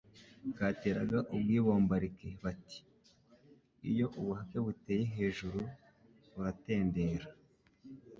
Bwateraga ubwibombarike. Bati:iyo ubuhake buteye hejuru uratendera